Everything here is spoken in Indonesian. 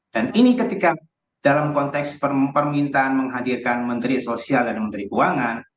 ini ketika dalam konteks permintaan menghadirkan menteri sosial dan menteri keuangan